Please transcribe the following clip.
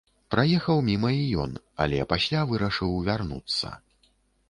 Праехаў міма і ён, але пасля вырашыў вярнуцца.